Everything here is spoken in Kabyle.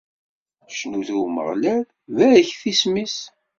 Cnut i Umeɣlal, barket isem-is.